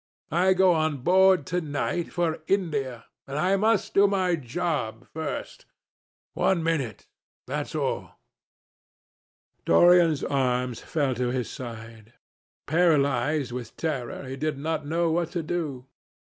I go on board to night for India, and I must do my job first. One minute. That's all." Dorian's arms fell to his side. Paralysed with terror, he did not know what to do.